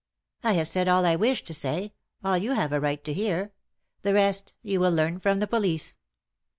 " I have said all I wish to say ; all you have a right to hear ; the rest — you will learn from the police."